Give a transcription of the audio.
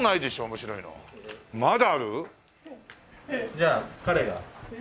じゃあ彼が。